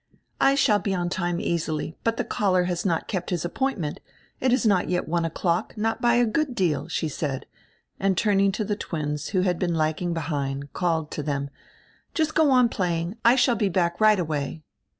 "I shall be on time, easily, but die caller has not kept his appointment. It is not yet one o'clock, not by a good deal," she said, and turning to die twins, who had been lagging behind, called to them: "Just go on playing; I shall be back right away."